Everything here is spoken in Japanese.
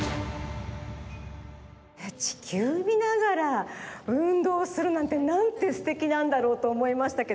ちきゅうみながら運動するなんてなんてすてきなんだろうとおもいましたけど。